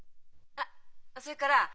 ☎あっそれから。